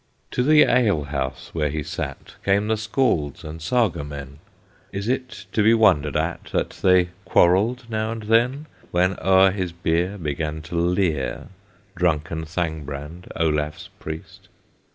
To the alehouse, where he sat, Came the Scalds and Saga men; Is it to be wondered at, That they quarrelled now and then, When o'er his beer Began to leer Drunken Thangbrand, Olaf's Priest?